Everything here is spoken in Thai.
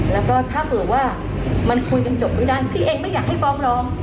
แล้วก็ถ้าเผื่อว่ามันคุยกันจบไม่ได้พี่เองไม่อยากให้ฟ้องร้อง